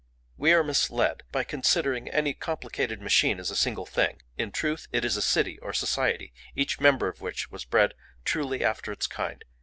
"We are misled by considering any complicated machine as a single thing; in truth it is a city or society, each member of which was bred truly after its kind.